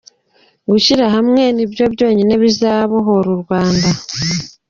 Gushyira hamwe nibyi byonyine bizabohora u Rwanda.